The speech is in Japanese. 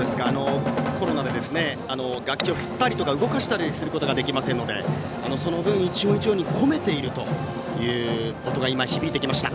コロナで楽器を振ったりとか動かしたりすることができませんのでその分、一音一音に込めているという音が響いてきました。